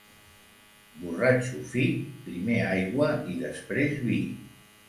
Borratxo fi, primer aigua i després vi.